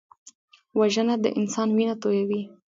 وژنه د انسان وینه تویوي